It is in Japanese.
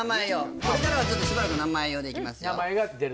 これからはずっとしばらく名前用でいきますよ